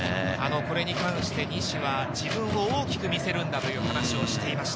これに関して西は自分を大きく見せるんだという話をしていました。